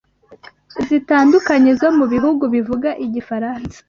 zitandukanye zo mu bihugu bivuga Igifaransa